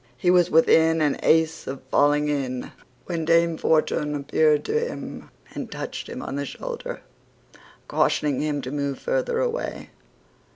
He was within an ace of falling in, when Dame Fortune appeared to him and touched him on the shoulder, cautioning him to move further away.